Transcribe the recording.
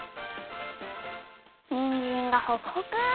にんじんがほくほく！